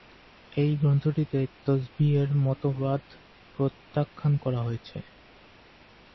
এই গ্রন্থটিতে তসবিহ্-এর মতবাদ প্রত্যাখ্যান করা হয়েছে।